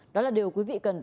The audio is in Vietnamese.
đó là điều quý vị cần